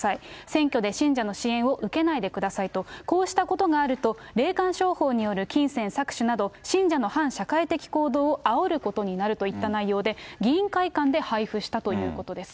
選挙で信者の支援を受けないでくださいと、こうしたことがあると、霊感商法による金銭搾取など、信者の反社会的行動をあおることになるといった内容で、議員会館で配布したということです。